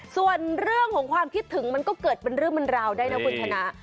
ส่วนเรื่องของความคิดถึงมันก็เกิดเป็นเรื่องเป็นราวได้นะคุณชนะ